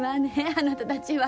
あなたたちは。